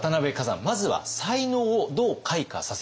まずは才能をどう開花させたのか。